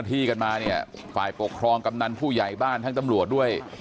นะกลุ่มการสอบพอวัฒนภาคคลองกำนันผู้ใหญ่บ้านทั้งตัำรวจด้วย